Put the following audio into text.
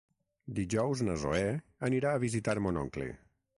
Dijous na Zoè anirà a visitar mon oncle.